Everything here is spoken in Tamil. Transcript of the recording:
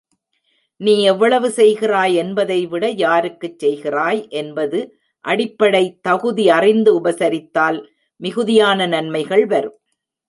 நீ எவ்வளவு செய்கிறாய் என்பதைவிட யாருக்குச் செய்கிறாய் என்பது அடிப்படை தகுதி அறிந்து உபசரித்தால் மிகுதியான நன்மைகள் வரும்.